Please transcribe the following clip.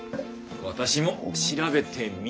私も調べてみます！